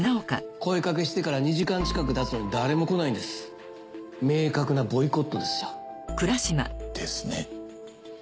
声かけしてから２時間近く経つのに誰も来ないんです明確なボイコットですよ。ですね。